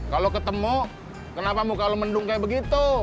kalau ketemu kenapa muka lo mendung kayak begitu